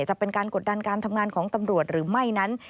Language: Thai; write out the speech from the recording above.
จะเป็นการกดดันการทำงานของตำรวจหรือไม่นั้น